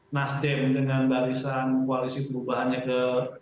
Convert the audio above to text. nasdem dengan barisan koalisi perubahannya ke